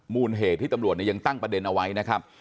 เหตุที่ตำรวจยังตั้งประเด็นเอาไว้นะครับ